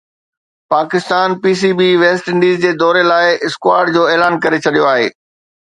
Pakistan P C B West Indies جي دوري لاءِ اسڪواڊ جو اعلان ڪري ڇڏيو آهي